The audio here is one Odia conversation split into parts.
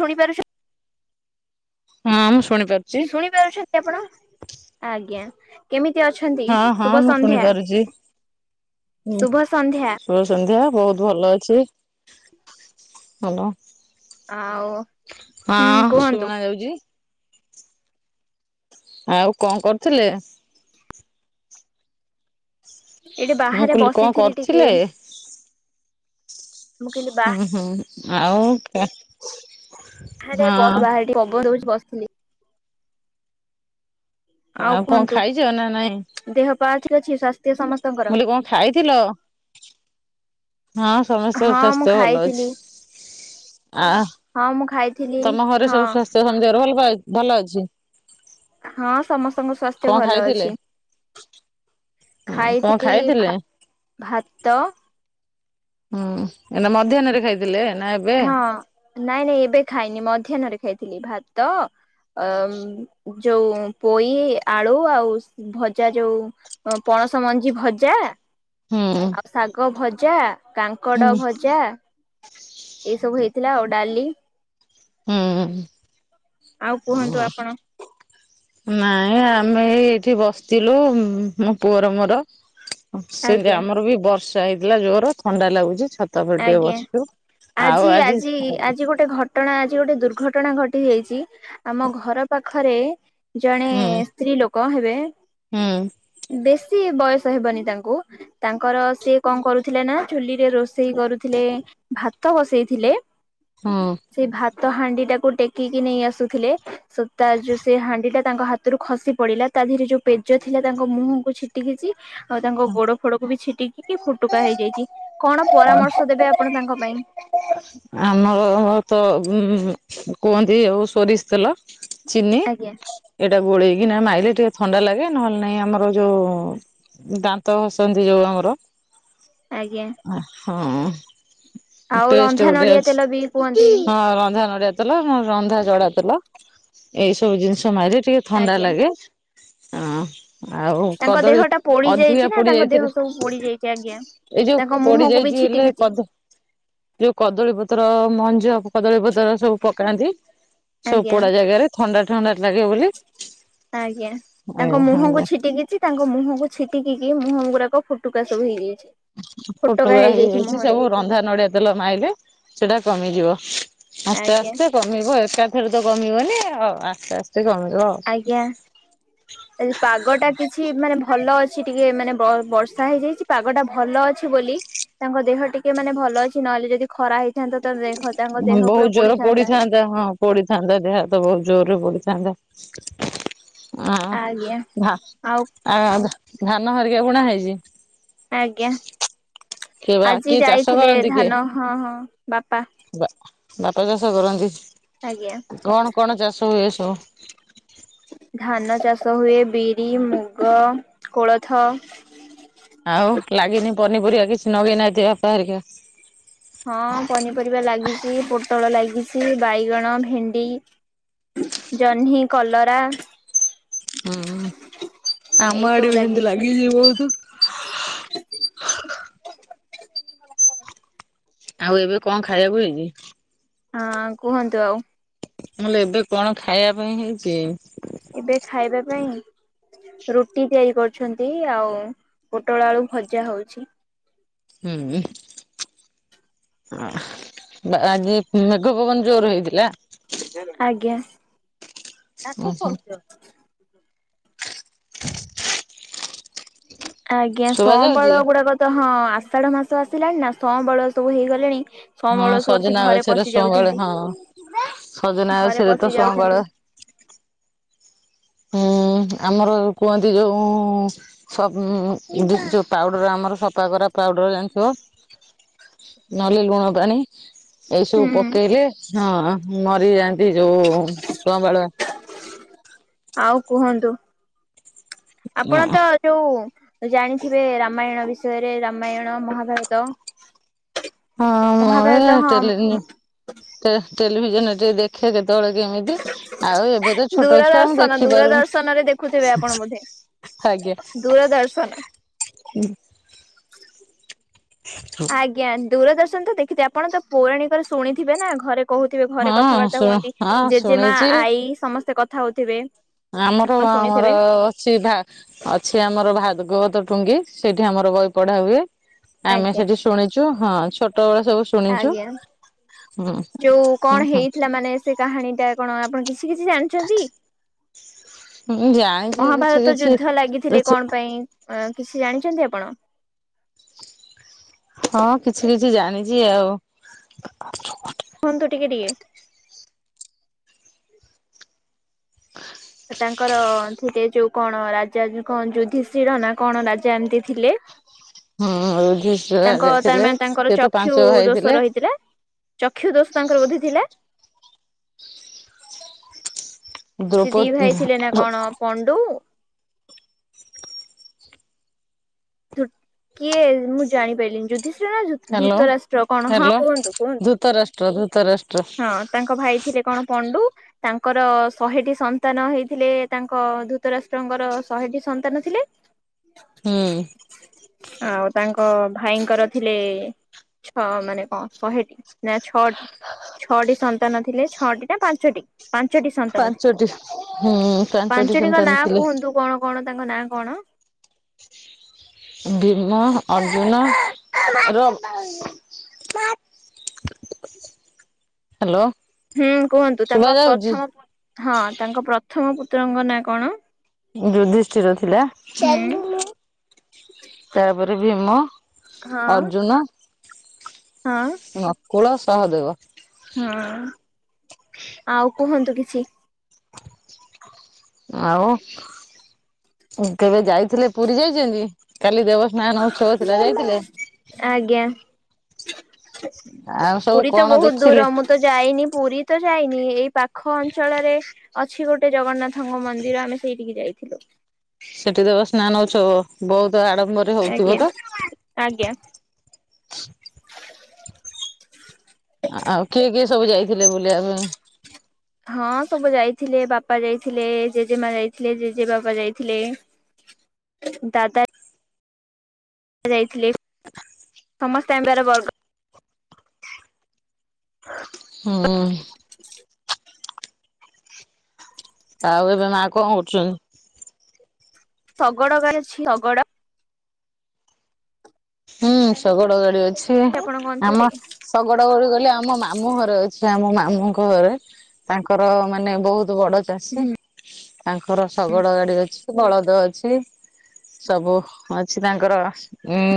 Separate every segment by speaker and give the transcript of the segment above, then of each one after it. Speaker 1: ଶୁଣିପାରୁଚ!
Speaker 2: ହଁ ମୁଁ ଶୁଣିପାରୁଚି!
Speaker 1: ଶୁଣି ପାରୁଛନ୍ତି ଆପଣ ଆଜ୍ଞା!। କେମିତି ଅଛନ୍ତି!
Speaker 2: ହଁ ହଁ
Speaker 1: ଶୁଭ
Speaker 2: ମୁଁ
Speaker 1: ସନ୍ଧ୍ୟା
Speaker 2: ଶୁଣିପାରୁଛି। ହୁଁ
Speaker 1: ଶୁଭ ସନ୍ଧ୍ୟା!।
Speaker 2: ଶୁଭ ସନ୍ଧ୍ୟା! ବହୁତ ଭଲ ଅଛି ଭଲ!।
Speaker 1: ଆଉ ହୁଁ
Speaker 2: ହଁ
Speaker 1: କୁହନ୍ତୁ
Speaker 2: ଶୁନା ଯାଉଛି!। ଆଉ କଣ କରୁଥିଲେ?
Speaker 1: ଏଇଠି
Speaker 2: ମୁଁ
Speaker 1: ବାହାରେ
Speaker 2: କହିଲି କଣ
Speaker 1: ବସିଥିଲି ଟିକେ
Speaker 2: କରଥିଲେ!
Speaker 1: ମୁଁ କହିଲି
Speaker 2: ହୁଁ? ହୁଁ ଆଉ!
Speaker 1: ଆରେ ବାରାଣ୍ଡ ରେ ପବନଦଉଚି ବସିଥିଲି!?
Speaker 2: ଆଉ! କଣ ଖାଇଛ ନା ନାଇଁ!
Speaker 1: ଦେହ ପା ଠିକ୍ ଅଛି ସ୍ୱାସ୍ଥ୍ୟ
Speaker 2: ମୁଁ
Speaker 1: ସମସ୍ତଙ୍କର!
Speaker 2: କହିଲି କଣ ଖାଇଥିଲ? ହଁ! ସମସ୍ତଙ୍କ
Speaker 1: ହଁ ମୁଁ
Speaker 2: ସ୍ୱାସ୍ଥ୍ୟ ଭଲ
Speaker 1: ଖାଇଥିଲି
Speaker 2: ଅଛି ଆ।
Speaker 1: ହଁ! ମୁଁ ଖାଇଛିି।
Speaker 2: ତମ ଘରେ ସବୁ ସ୍ୱାସ୍ଥ୍ୟ ସମସ୍ତ ଙ୍କ ଭଲ ଭଲ ଅଛି।
Speaker 1: ହଁ ସମସ୍ତଙ୍କ
Speaker 2: କଣ
Speaker 1: ସ୍ୱାସ୍ଥ୍ୟ ଭଲ
Speaker 2: ଖାଇଥିଲେ?
Speaker 1: ଅଛି।
Speaker 2: ହଁ କଣ
Speaker 1: ଖାଇଥିଲି
Speaker 2: ଖାଇଥିଲେ?
Speaker 1: ଭାତ।
Speaker 2: ହୁଁ ଏ ମଧ୍ୟାହ୍ନରେ ଖାଇଥିଲେ ନା ଏବେ।
Speaker 1: ହଁ! ନାଇଁ ନାଇଁ ଏବେ ଖାଇନି! ମଧ୍ୟାହ୍ନରେ ଖାଇଥିଲି ଭାତ। ଅ ଯୋଉ ପୋଇ ଆଳୁ ଆଉ ଭଜା ଯୋଉ।। ପଣସ ମଞ୍ଜି ଭଜା।
Speaker 2: ହୁଁ।
Speaker 1: ଆଉ ଶାଗ ଭଜା,
Speaker 2: ହୁଁ
Speaker 1: କାଙ୍କଡ ଭଜା, ଏଇସବୁ ହେଇଥିଲା ଆଉ ଡାଲି।
Speaker 2: ହୁଁ
Speaker 1: ଆଉ କୁହନ୍ତୁ
Speaker 2: ଭଲ।
Speaker 1: ଆପଣ
Speaker 2: ନାଇଁ! ଆମେ ଏଇ ଏଇଠି ବସିଥିଲୁ ମୋ ପୁଅର ମୋର। ସେମିତି
Speaker 1: ଆଜ୍ଞା
Speaker 2: ଆମର ବି ବର୍ଷା ହେଇଥିଲା ଜୋର ଥଣ୍ଡା ଲାଗୁଛି ଛତ ତା ପରେ ଟିକେ
Speaker 1: ଆଜ୍ଞା
Speaker 2: ବସଚୁ ଆଉ ଆଜି
Speaker 1: ଘଟଣା ଆଜି ଗୋଟେ ଦୁର୍ଘଟଣା ଘଟି ଯାଇଛି ଆମ ଘର ପାଖରେ ଜଣେ ଏ ଏ ସ୍ତ୍ରୀ ଲୋକ ହେବେ
Speaker 2: ହୁଁ।
Speaker 1: ବେଶୀ ବୟସ ହେବନି ତାଙ୍କୁ ତାଙ୍କର ସେ କଣ କରୁଥିଲେ ନା ଚୁଲି ରେ ରୋଷ ଷେଇ କରୁଥିଲେ ଭାତ ବସେଇ ଥିଲେ
Speaker 2: ହୁଁ।
Speaker 1: ସେଇ ଭାତ ହାଣ୍ଡି ଟାକୁ ଟେକିକି ନେଇ ଆସୁଥିଲେ ସୁତା ଯୋଉ ସେ ହାଣ୍ଡି ଟା ତାଙ୍କ ହାତରୁ ଖସି ପଡିଲା ତା ଦିହରେ ଯୋଉ ପେଜ ଥିଲା ତାଙ୍କ ମୁହଁକୁ ଛିଟିକିଚି ଆଉ ତାଙ୍କ ଗୋଡ଼ ଫୋଡକୁ ବି ଛିଟିକିକି ଫୁଟୁକା ହେଇଯାଇଚି କଣ ପରାମର୍ଶ ଦେବେ ଆପଣ ତାଙ୍କ ପାଇଁ।
Speaker 2: ଆମର ର ର ର ତ ଉଁ କୁହନ୍ତି ଆଉ ସୋରିଷ ତେଲ ଚିନି
Speaker 1: ଆଜ୍ଞା
Speaker 2: ଏଇଟା ଗୋଳେଇ କିନା ମାଇଲେ ଟିକେ ଥଣ୍ଡା ଲାଗେ ନହେଲେ ନାଇଁ ଆମର ଯୋଉ ଉ ଉ ଦାନ୍ତ ଘସନ୍ତି ଯୋଉ ଆମର
Speaker 1: ଆଜ୍ଞା।
Speaker 2: ହଁ ଅ
Speaker 1: ଆଉ
Speaker 2: ପେଷ୍ଟ୍
Speaker 1: ରନ୍ଧା
Speaker 2: ଗୋଟେ
Speaker 1: ନଡିଆ ତେଲ ବି
Speaker 2: ଅଛି
Speaker 1: କୁହନ୍ତି
Speaker 2: ହଁ ରନ୍ଧା ନଡିଆ ତେଲ ରନ୍ଧା ଜଡ଼ା ତେଲ ଏଇ ସବୁ ଜିନିଷ ମାଇରେ ଟିକେ ଥଣ୍ଡା
Speaker 1: ଆଜ୍ଞା
Speaker 2: ଲାଗେ। ଅଁ ଆଉ
Speaker 1: ତାଙ୍କ ଦେହ
Speaker 2: କଦଳୀ
Speaker 1: ଟା ପୋଡି ଯାଇଛି
Speaker 2: ଅଧିକା
Speaker 1: ନା
Speaker 2: ପୋଡ଼ି
Speaker 1: ତାଙ୍କ ଦେହ
Speaker 2: ଯାଇଥିଲେ
Speaker 1: ସବୁ ପୋଡି ଯାଇଛି ଆଜ୍ଞା
Speaker 2: ଏଇ ଯୋଉ
Speaker 1: ତାଙ୍କ
Speaker 2: ପୋଡ଼ି
Speaker 1: ମୁହଁକୁ ବି
Speaker 2: ଯାଇଚି ହେଲେ
Speaker 1: ଛିଟିକିଛି
Speaker 2: କଦ ଯୋଉ କଦଳୀ ପତ୍ର ମଞ୍ଜ କଦଳୀ ପତ୍ର ସବୁ ପକାନ୍ତି ସବୁ
Speaker 1: ଆଜ୍ଞା
Speaker 2: ପୋଡ଼ା ଜାଗାରେ ଥଣ୍ଡା ଥଣ୍ଡା ଲାଗେ ବୋଲି।
Speaker 1: ଆଜ୍ଞା
Speaker 2: ଏ
Speaker 1: ତାଙ୍କ ମୁହଁକୁ ଛିଟିକିଚି ତାଙ୍କ ମୁହଁକୁ ଛିଟିକିକି ମୁହଁ ଗୁରାକ ଫୁଟୁକା ସବୁ ହେଇଯାଇଚି।
Speaker 2: ଫୋଟକା ହେଇଯାଇଚି ସବୁ ରନ୍ଧା ନଡିଆ ତେଲ ମାଇଲେ ସେଟା କମିଯିବ ଆସ୍ତେ
Speaker 1: ଆଜ୍ଞା
Speaker 2: ଆସ୍ତେ କମିବ ଏକାଥରେ ତ କମିବନି ଆଉ ଆସ୍ତେ ଆସ୍ତେ କମିବ।
Speaker 1: ଆଜ୍ଞା। ଆଜି ପାଗ ଟା କିଛି ମାନେ ଭଲ ଅଛି ଟିକେ ମାନେ ବ ବର୍ଷା ହେଇଯାଇଚି। ପାଗ ଟା ଭଲ ଅଛି ବୋଲି ତାଙ୍କ ଦେହ ଟିକେ ମାନେ ଭଲ ଅଛି ନହେଲେ ଯଦି ଖରା ହେଇ ଥାନ୍ତା ତା ଦେହ ତାଙ୍କ ଦେହ
Speaker 2: ବହୁତ
Speaker 1: ପୁରା
Speaker 2: ଜୋର
Speaker 1: ପୋଡ଼ିଥାନ୍ତା।
Speaker 2: ପୋଡିଥାନ୍ତା ହଁ ପୋଡ଼ିଥାନ୍ତା ଦେହ ହାତ ବହୁତ ଜୋରରେ ପୋଡ଼ିଥାନ୍ତା।
Speaker 1: ଆଜ୍ଞା ଆଉ
Speaker 2: [unintelligible] ଧାନ ହରିକା ବୁଣା ହେଇଚି?
Speaker 1: ଆଜ୍ଞା ଆଜି
Speaker 2: କିଏ ଚାଷ
Speaker 1: ଯାଇଥିଲେ
Speaker 2: କରନ୍ତି କିଏ?
Speaker 1: ଧାନ ହଁ ହଁ ବାପା
Speaker 2: ବା ବାପା ଚାଷ କରନ୍ତି
Speaker 1: ଆଜ୍ଞା
Speaker 2: କଣ କଣ ଚାଷ ହୁଏ ସବୁ?
Speaker 1: ଧାନ ଚାଷ ହୁଏ ବିରି, ମୁଗ, କୋଳଥ
Speaker 2: ଆଉ ଲାଗିନି ପନିପରିବା କିଛି ନଗେଇନାହାଁନ୍ତି ବାପା ଘରିକା?
Speaker 1: ହଁ ପନିପରିବା ଲାଗିଚି ପୋଟଳ ଲାଗିଛି ବାଇଗଣ, ଭେଣ୍ଡି ଜହ୍ନି, କଲରା
Speaker 2: ହୁଁ
Speaker 1: ଏଇ
Speaker 2: ଆମର
Speaker 1: ସବୁ
Speaker 2: ଏଠି ବି ହେମତି
Speaker 1: ଲାଗିଛି
Speaker 2: ଲାଗିଚି ବହୁତୁ। ଆଉ ଏବେ କଣ ଖାଇବାକୁ ହେଇଚି?
Speaker 1: ହଁ କୁହନ୍ତୁ ଆଉ।
Speaker 2: ମୁଁ କହିଲି ଏବେ କଣ ଖାଇବା ପାଇଁ ହେଇଚି?
Speaker 1: ଏବେ ଖାଇବା ପାଇଁ ରୁଟି ତିଆରି କରୁଛନ୍ତି ଆଉ ପୋଟଳ ଆଳୁ ଭଜା ହଉଛି।
Speaker 2: ହୁଁ। ଆଜି ମେଘପବନ ଜୋରେ ହେଇଥିଲା?
Speaker 1: ଆଜ୍ଞା ଆକୁ
Speaker 2: ଓହୋ
Speaker 1: କହୁଛ। ଆଜ୍ଞା
Speaker 2: ଶୁଭା ଯାଉଛି?
Speaker 1: ସମ୍ୱାଳୁଆ ଗୁଡାକ ତ ହଁ ଆଷାଢ ମାସ ଆସିଲାଣି ନା ସମ୍ବାଳୁଆ ସବୁ ହେଇଗଲେଣି।
Speaker 2: ହଁ
Speaker 1: ସମ୍ୱାଳୁଆ ଆସି
Speaker 2: ସଜନା
Speaker 1: ଘରେ
Speaker 2: ଗଛରେ
Speaker 1: ପଶି
Speaker 2: ସଅଁବାଳ
Speaker 1: ଯାଉଛନ୍ତି
Speaker 2: ହଁ ସଜନା
Speaker 1: ଘରେ
Speaker 2: ଗଛରେ ତ
Speaker 1: ପଶି
Speaker 2: ସଅଁବାଳ
Speaker 1: ଯାଉଛନ୍ତି।
Speaker 2: ହୁଁ ଆମର କୁହନ୍ତି ଯୋଉ ସବୁ ପାଉଡର ଆମର ସଫା କରା ପାଉଡର ଜାଣିଥିବ? ନହେଲେ ଲୁଣ ପାଣି। ଏଇସବୁ
Speaker 1: ହୁଁ।
Speaker 2: ପକେଇଲେ ହଁ ମରି ଯାଆନ୍ତି ଯୋଉ ସମ୍ୱାଳୁଆ।
Speaker 1: ଆଉ କୁହନ୍ତୁ ଆପଣ ତ ଯୋଉ ଜାଣିଥିବେ ରାମାୟଣ ବିଷୟରେ ରାମାୟଣ ମହାଭାରତ।
Speaker 2: ହଁ ମୁ
Speaker 1: ମହାଭାରତ ହଁ
Speaker 2: ଟେଲ ଟେଲିଭିଜନ ଏ ଦେଖ ଦେଖ କେତେବେଳେ କେମିତି ଆଉ ଏବେ ତ ଛୋଟ ଛୁଆ ମୁ
Speaker 1: ଦୂରଦର୍ଶନ
Speaker 2: ଦେଖି
Speaker 1: ଦୂରଦର୍ଶନରେ ଦେଖୁଥିବେ ଆପଣ
Speaker 2: ପାରୁନି।
Speaker 1: ବୋଧେ। ଦୂରଦର୍ଶନ।
Speaker 2: ହୁଁ
Speaker 1: ଆଜ୍ଞା ଦୂରଦର୍ଶନ ତ ଦେଖିଥେ ଆପଣ ତ ପୌରାଣିକରେ ଶୁଣିଥିବେ ନା ଘରେ କହୁଥିବେ ଘରେ
Speaker 2: ହଁ
Speaker 1: କଥାବାର୍ତ୍ତା
Speaker 2: ଶୁଣ
Speaker 1: ହୁଅନ୍ତି
Speaker 2: ହଁ
Speaker 1: ଜେଜେମା
Speaker 2: ଶୁଣିଛି
Speaker 1: ଆଈ ସମସ୍ତେ କଥା ହଉଥିବେ।
Speaker 2: ଆମର
Speaker 1: ଆପଣ
Speaker 2: ଆମର
Speaker 1: ଶୁଣିଥିବେ
Speaker 2: ଅଛି ଭ ଅଛି ଆମର ଭାଗବତ ଟୁଙ୍ଗି ସେଇଠି ଆମର ବହି ପଢା ହୁଏ। ଆମେ
Speaker 1: ଆଜ୍ଞା।
Speaker 2: ସେଠି ଶୁଣିଛୁ ହଁ ଛୋଟବେଳ ସବୁ ଶୁଣିଛୁ।
Speaker 1: ଆଜ୍ଞା
Speaker 2: ହୁଁ
Speaker 1: ଯୋଉ
Speaker 2: ହୁଁ
Speaker 1: କଣ
Speaker 2: ହୁଁ
Speaker 1: ହେଇଥିଲା ମାନେ ସେ କାହାଣୀ ଟା କଣ ଆପଣ କିଛି କିଛି ଜାଣିଛନ୍ତି?
Speaker 2: ମୁଁ ଜାଣିଛି କିଛି
Speaker 1: ମହାଭାରତ
Speaker 2: କିଛି
Speaker 1: ଯୁଦ୍ଧ ଲାଗିଥିଲେ
Speaker 2: କିଛି
Speaker 1: କଣ ପାଇଁ କିଛି ଜାଣିଛନ୍ତି ଆପଣ?
Speaker 2: ହଁ କିଛି କିଛି ଜାଣିଛି ଆଉ
Speaker 1: କୁହନ୍ତୁ ଟିକେ ଟିକେ। ତାଙ୍କର ଥିଲେ ଯୋଉ କଣ ରାଜା କଣ ଯୁଧିଶିର ନା କଣ ରାଜା ଏମତି ଥିଲେ?
Speaker 2: ହୁଁ ଯୁଧିଷ୍ଠିର
Speaker 1: ତାଙ୍କ
Speaker 2: ରାଜା
Speaker 1: ତାର
Speaker 2: ଥିଲେ
Speaker 1: ମ
Speaker 2: ସେ
Speaker 1: ତାଙ୍କର
Speaker 2: ତ ପାଞ୍ଚ
Speaker 1: ଚକ୍ଷୁ
Speaker 2: ଭାଇ ଥିଲେ
Speaker 1: ଦୋଷ ରହିଥିଲା। ଚକ୍ଷୁ ଦୋଷ ତାଙ୍କର ବୋଧି ଥିଲା? ସେ ଦି
Speaker 2: ଦ୍ରୌପଦୀ
Speaker 1: ଭାଇ ଥିଲେ ନା କଣ ପଣ୍ଡୁ କିଏ ମୁଁ ଜାଣିପାରିଲିନି ଯୁଧିଷ୍ ନା
Speaker 2: ହ୍ୟାଲୋ
Speaker 1: ଧୃତରାଷ୍ଟ୍ର କଣ ହଁ କୁହନ୍ତୁ କୁହନ୍ତୁ।
Speaker 2: ପ୍ରଦୂତ ରାଷ୍ଟ୍ର
Speaker 1: ହ ତାଙ୍କ ଭାଇ ଥିଲେ କଣ ପଣ୍ଡୁ? ତାଙ୍କର ଶହେଟି ସନ୍ତାନ ହେଇଥିଲେ ତାଙ୍କ ଧୂତ ରାଷ୍ଟ୍ରଙ୍କର ଶହେଟି ସନ୍ତାନ ଥିଲେ।
Speaker 2: ହୁଁ
Speaker 1: ଆଉ ତାଙ୍କ ଭାଇଙ୍କର ଥିଲେ ଛଅ ମାନେ କଣ ଶହେଟି ନା ଛଅ? ଛଅଟି ସନ୍ତାନ ଥିଲେ ଛଅଟି ନା ପାଞ୍ଚଟି? ପାଞ୍ଚଟି ସନ୍ତାନ ଥିଲେ
Speaker 2: ପାଞ୍ଚଟି ହୁଁ ପାଞ୍ଚଟି
Speaker 1: ପାଞ୍ଚଟିଙ୍କ
Speaker 2: ସନ୍ତାନ
Speaker 1: ନାଁ
Speaker 2: ଥିଲେ
Speaker 1: କୁହନ୍ତୁ କଣ କଣ ତାଙ୍କ ନାଁ କଣ?
Speaker 2: ଭୀମ ଅର୍ଜୁନ ର ହ୍ୟାଲୋ
Speaker 1: ହୁଁ କୁହନ୍ତୁ
Speaker 2: ଶୁଭା
Speaker 1: ତାଙ୍କ
Speaker 2: ଯାଉଛି
Speaker 1: ପ୍ରଥମ ହଁ ତାଙ୍କ ପ୍ରଥମ ପୁତ୍ରଙ୍କ ନାଁ କଣ?
Speaker 2: ଯୁଧିଷ୍ଠିର ଥିଲା
Speaker 1: ହୁଁ
Speaker 2: ତାପରେ ଭୀମ
Speaker 1: ହଁ
Speaker 2: ଅର୍ଜୁନ
Speaker 1: ହଁ।
Speaker 2: ନକୁଳ ସହ ଦେବ
Speaker 1: ହଁ ଆଉ କୁହନ୍ତୁ କିଛି
Speaker 2: ଆଉ କେବେ ଯାଇଥିଲେ ପୁରୀ ଯାଇଛନ୍ତି କାଲି ଦେବ [unintelligible] ଯାଇଥିଲେ।
Speaker 1: ଆଜ୍ଞା
Speaker 2: ଆଉ ସବୁ
Speaker 1: ପୁରୀ ତ
Speaker 2: କଣ
Speaker 1: ବହୁତ ଦୂର
Speaker 2: ଦେଖିଲେ
Speaker 1: ମୁ ତ ଯାଇନି ପୁରୀ ତ ଯାଇନି ଏଇ ପାଖ ଅଞ୍ଚଳରେ ଅଛି ଗୋଟେ ଜଗନ୍ନାଥ [unintelligible] ମନ୍ଦିର ଆମେ ସେଇଠିକି ଯାଇଥିଲୁ।
Speaker 2: ସେଠି ଦେବ ସ୍ନାନ ହଉଛ ବହୁତ ଆଡମ୍ବର
Speaker 1: ଆଜ୍ଞା ଆଜ୍ଞା।
Speaker 2: ଆଉ କିଏ କିଏ ସବୁ ଯାଇଥିଲେ ବୁଲିବା ପାଇଁ?
Speaker 1: ହଁ ସବୁ ଯାଇଥିଲେ ବାପା ଯାଇଥିଲେ ଜେଜେମା ଯାଇଥିଲେ ଜେଜେ ବାବା ଯାଇଥିଲେ। ଦାଦା ଯାଇଥିଲେ ସମସ୍ତଙ୍କର ବର୍ଗ
Speaker 2: ହୁଁ। ଆଉ ଏବେ ମା କଣ କରୁଛନ୍ତି?
Speaker 1: ଶଗଡ [unintelligible] ଅଛି ଶଗଡ
Speaker 2: ହୁଁ ଶଗଡ଼ ଗାଡି ଅଛି
Speaker 1: ଆପଣଙ୍କ
Speaker 2: ଆମ
Speaker 1: ଅଞ୍ଚଳରେ
Speaker 2: ଶଗଡ ଗଡି ଗଲେ ଆମ ମାମୁଁ ଘରେ ଅଛି ଆମ ମାମୁଁଙ୍କ ଘରେ ତାଙ୍କର ମାନେ ବହୁତ ବଡ ଚାଷୀ।
Speaker 1: ହୁଁ
Speaker 2: ତାଙ୍କର ଶଗଡ ଗାଡି ଅଛି ବଳଦ ଅଛି ସବୁ ଅଛି ତାଙ୍କର।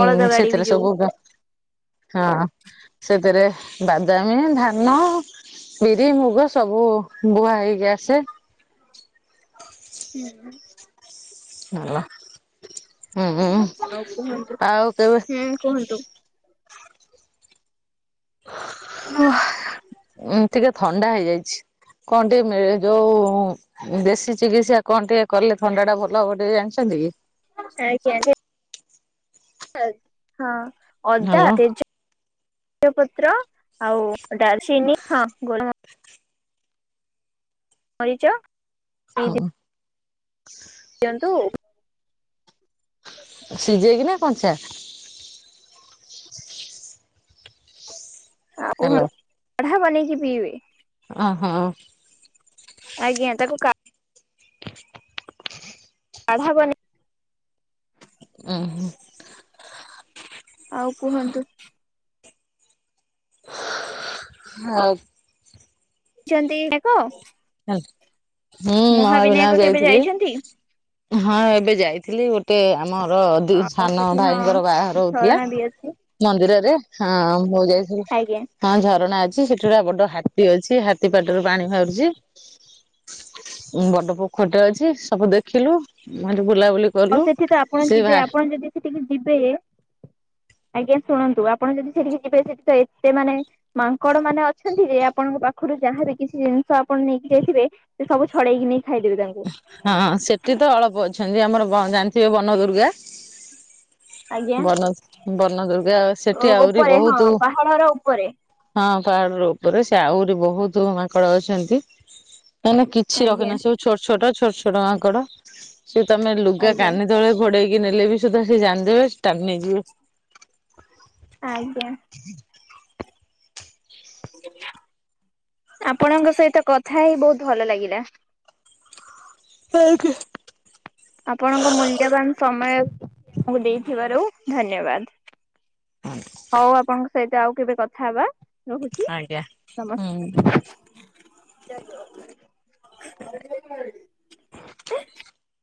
Speaker 1: ବଳଦ ଗାଡ଼ି
Speaker 2: ସେଥିରେ
Speaker 1: ବି ଯୋଉ
Speaker 2: ସବୁ ହଁ ସେଥିରେ ବାଦାମୀ ଧାନ ବିରି ମୁଗ ସବୁ ବୁହା ହେଇକି ଆସେ।
Speaker 1: [unintelligible]
Speaker 2: [unintelligible] ହୁଁ ହଁ।
Speaker 1: ଆଉ କୁହନ୍ତୁ ହୁଁ କୁହନ୍ତୁ।
Speaker 2: ଓଃ ଟିକେ ଥଣ୍ଡା ହେଇଯାଇଛି। କଣ ଟ ମିଳେ ଯୋଉ ଦେଶୀ ଚିକିତ୍ସା କଣ ଟିକେ କଲେ ଥଣ୍ଡା ଟା ଭଲ ହବ ଟିକେ ଜାଣିଛନ୍ତି କି?
Speaker 1: [unintelligible] ହଁ ଅଦା
Speaker 2: ହାଲୋ
Speaker 1: [unintelligible] ତେଜପତ୍ର ଆଉ ଡାଲଚିନି ହଁ ଗୋଲ ମରିଚ
Speaker 2: ହୁଁ।
Speaker 1: ଦିଅନ୍ତୁ।
Speaker 2: ସିଝେଇକି ନା କଞ୍ଚା?
Speaker 1: ଆଉ
Speaker 2: ହାଲୋ
Speaker 1: କୁହନ୍ତୁ କଢା ବନେଇକି ପିଇବେ।
Speaker 2: ଓହୋ।
Speaker 1: ଆଜ୍ଞା ତାକୁ କା କାଢା ବନେଇକି
Speaker 2: ଉହୁ
Speaker 1: ଆଉ କୁହନ୍ତୁ।
Speaker 2: ହଁ।
Speaker 1: ଛନ୍ତି ଯାକ
Speaker 2: ହୁଁ ମହାବିନାୟକ
Speaker 1: କେବେ
Speaker 2: ଯାଇଥିଲି।
Speaker 1: ଯାଇଛନ୍ତି?
Speaker 2: ହଁ ଏବେ ଯାଇଥିଲି ଗୋଟେ ଆମର ଦି
Speaker 1: ଆଉ
Speaker 2: ସାନ
Speaker 1: ସେଠି
Speaker 2: ଭାଇଙ୍କର
Speaker 1: ହଁ
Speaker 2: ବାହାଘର ହହୁଥିଲା
Speaker 1: ଝରଣା ବି ଅଛି।
Speaker 2: ମନ୍ଦିରରେ ହଁ ମୁଁ ଯାଇଥିଲି।
Speaker 1: ଆଜ୍ଞା
Speaker 2: ହଁ ଝରଣା ଅଛି ସେଠି ଗୋଟ ହାତୀ ଅଛି ହାତୀ ପାଟରୁ ପାଣି ବାହାରୁଚି। ବଡ ପୋଖରୀରେଟେ ଅଛି ସବୁ ଦେଖିଲୁ ମୁହେଟି ବୁଲାବୁଲି
Speaker 1: ଆଉ
Speaker 2: କଲୁ।
Speaker 1: ସେଠିତ ଆପଣ
Speaker 2: ସେ ବା
Speaker 1: ଯିବେ ଆପଣ ଯଦି ସେଠିକି ଯିବେ ଆଜ୍ଞା ଶୁଣନ୍ତୁ ଆପଣ ଯଦି ସେଠିକି ଯିବେ ସେଠିତ ଏତେ ମାନେ ମାଙ୍କଡ଼ ମାନେ ଅଛନ୍ତିଯେ ଆପଣଙ୍କ ପାଖରୁ ଯାହାବି କିଛି ଜିନିଷ ଆପଣ ନେଇକି ଯାଇଥିବେ ସେସବୁ ଛଡ଼େଇକି ନେଇ ଖାଇଦେବେ ତାଙ୍କୁ
Speaker 2: ହଁ ସେଠିତ ଅଳ୍ପ ଅଛନ୍ତି ଆମର ଜାଣିଥିବେ ବନ ଦୁର୍ଗା?
Speaker 1: ଆଜ୍ଞା
Speaker 2: ବନ ବନ ଦୁର୍ଗା ସେଠି ଆହୁରି
Speaker 1: ଉପରେ ହଁ
Speaker 2: ବହୁତ୍
Speaker 1: ପାହାଡର ଉପରେ
Speaker 2: ହଁ ପାହାଡ଼ର ଉପରେ ସେଆହୁରି ବହୁତ୍ ମାଙ୍କଡ଼ ଅଛନ୍ତି ମାନେ କିଛି
Speaker 1: ଆଜ୍ଞା
Speaker 2: ରଖେନା ସବୁ ଛୋଟ ଛୋଟ ଛୋଟ ଛୋଟ ମାଙ୍କଡ଼ ସେତ ଆମେ ଲୁଗା
Speaker 1: ଆଜ୍ଞା।
Speaker 2: କାନି ତେବେଳେ ଗୋଡ଼େଇକି ନେଲେବି ସୁଦ୍ଧା ସେ ଜାଣିଦେବେ ଟାଣି ନେଇଯିବେ।
Speaker 1: ଆଜ୍ଞା। ଆପଣଙ୍କ ସହିତ କଥା ହେଇ ବହୁତ୍ ଭଲ ଲାଗିଲା।
Speaker 2: [unintelligible]
Speaker 1: ଆପଣଙ୍କ ମୂଲ୍ୟବାନ ସମୟକୁ ଦେଇଥିବାରୁ ଧନ୍ୟବାଦ। ହଉ ଆପଣଙ୍କ ସହିତ ଆଉ କେବେ କଥା ହେବା। ରହୁଛି
Speaker 2: ଆଜ୍ଞା ହୁଁ।
Speaker 1: ନମସ୍କାର।
Speaker 2: [inaudible]